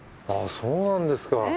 あそうなんですか。